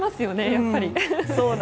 やっぱり。